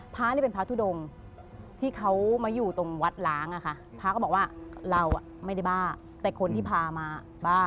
พระนี่เป็นพระทุดงที่เขามาอยู่ตรงวัดล้างอะค่ะพระก็บอกว่าเราไม่ได้บ้าแต่คนที่พามาบ้า